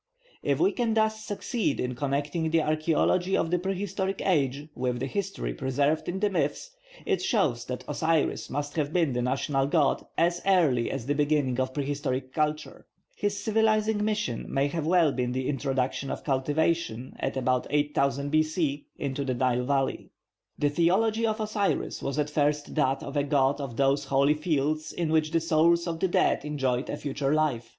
If we can thus succeed in connecting the archaeology of the prehistoric age with the history preserved in the myths, it shows that Osiris must have been the national god as early as the beginning of prehistoric culture. His civilising mission may well have been the introduction of cultivation, at about 8000 B.C., into the Nile valley. The theology of Osiris was at first that of a god of those holy fields in which the souls of the dead enjoyed a future life.